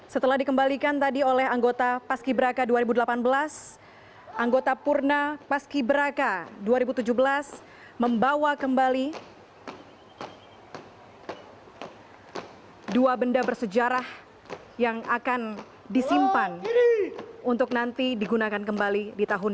setelah dikembalikan tadi oleh anggota paski braka dua ribu delapan belas anggota purna paski braka dua ribu tujuh belas membawa kembali dua benda bersejarah yang akan disimpan untuk nanti digunakan kembali di tahun dua ribu delapan belas